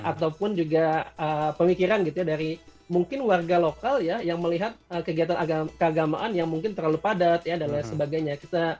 ataupun juga pemikiran gitu ya dari mungkin warga lokal ya yang melihat kegiatan keagamaan yang mungkin terlalu padat ya dan lain sebagainya